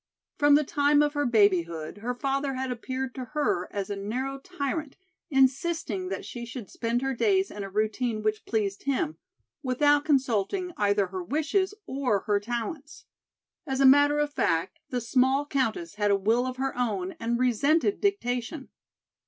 From the time of her babyhood her father had appeared to her as a narrow tyrant insisting that she should spend her days in a routine which pleased him, without consulting either her wishes or her talents. As a matter of fact, the small countess had a will of her own and resented dictation.